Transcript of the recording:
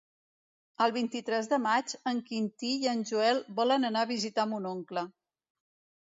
El vint-i-tres de maig en Quintí i en Joel volen anar a visitar mon oncle.